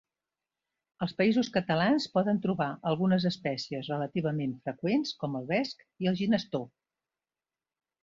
Als Països Catalans poden trobar algunes espècies relativament freqüents com el vesc i el ginestó.